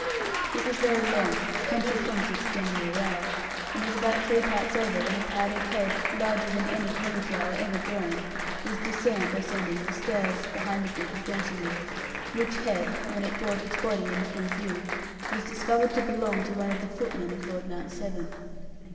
It was very long country concerts generally are and was about three parts over when a powdered head, larger than any cauliflower ever grown, was discerned ascending the stairs, behind the group of gentlemen; which head, when it brought its body in full view, was discovered to belong to one of the footmen of Lord Mount Severn.